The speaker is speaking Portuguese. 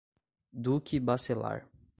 Duque Bacelar